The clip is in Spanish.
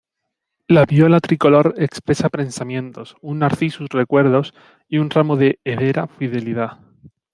La "Viola tricolor" expresa pensamientos, un "Narcissus" recuerdos, y un ramo de "Hedera" fidelidad.